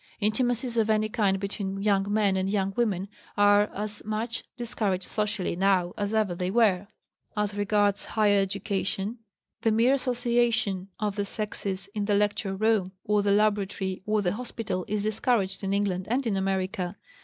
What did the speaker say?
Intimacies of any kind between young men and young women are as much discouraged socially now as ever they were; as regards higher education, the mere association of the sexes in the lecture room or the laboratory or the hospital is discouraged in England and in America.